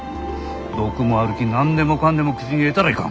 毒もあるき何でもかんでも口に入れたらいかん。